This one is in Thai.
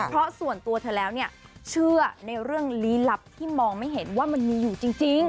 เพราะส่วนตัวเธอแล้วเนี่ยเชื่อในเรื่องลี้ลับที่มองไม่เห็นว่ามันมีอยู่จริง